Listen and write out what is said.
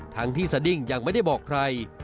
ทั้งที่สดิ้งยังไม่ได้บอกใคร